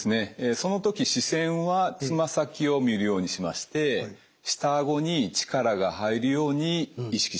その時視線はつま先を見るようにしまして下あごに力が入るように意識します。